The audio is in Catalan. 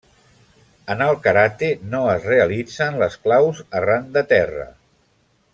En el karate no es realitzen les claus arran de terra.